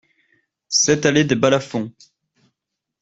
sept allée des Balafons